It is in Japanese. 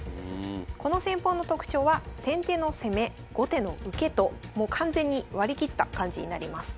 この戦法の特徴は先手の攻め後手の受けともう完全に割り切った感じになります。